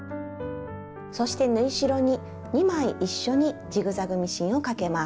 そして縫い代に２枚一緒にジグザグミシンをかけます。